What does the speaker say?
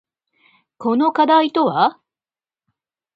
この課題とは？